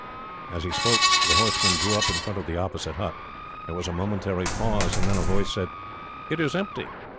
As he spoke, the horsemen drew up in front of the opposite hut. There was a momentary pause, and then a voice said: "It is empty."